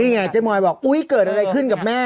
นี่ไงเจ๊มอยบอกอุ๊ยเกิดอะไรขึ้นกับแม่